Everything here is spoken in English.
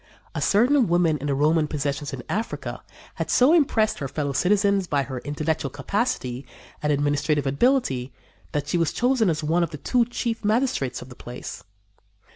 A certain woman in the Roman possessions in Africa had so impressed her fellow citizens by her intellectual capacity and administrative ability that she was chosen as one of the two chief magistrates of the place.